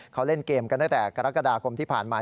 เขาเล่นเกมกันตั้งแต่กรกฎาคมที่ผ่านมา